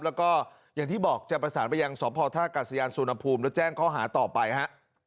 แล้วก็อย่างที่บอกจะประสานไปยังสพท่ากาศยานสุนภูมิแล้วแจ้งข้อหาต่อไปฮะ